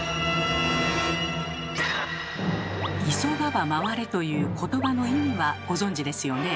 「急がば回れ」という言葉の意味はご存じですよね。